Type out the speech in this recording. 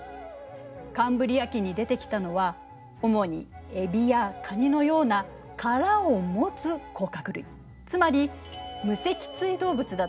カンブリア紀に出てきたのは主にエビやカニのような殻を持つ甲殻類つまり無脊椎動物だったの。